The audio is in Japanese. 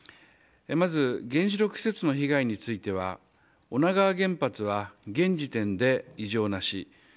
まず原子力施設の被害については女川原発は現時点で異常なし。